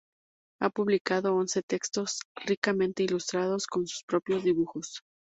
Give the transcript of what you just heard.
Ha publicado once textos ricamente ilustrados con sus propios dibujos.